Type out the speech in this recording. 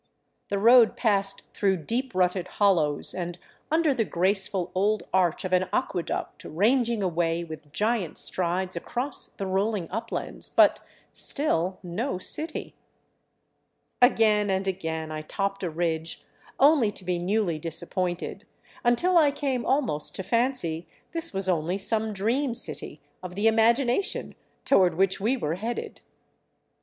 The road passed through deep rutted hollows and under the graceful old arch of an aqueduct ranging away with giant strides across the rolling uplands; but still no city. Again and again I topped a ridge, only to be newly disappointed, until I came almost to fancy this was only some dream city of the imagination toward which we were headed.